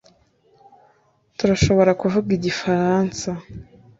Turashobora kuvuga igifaransa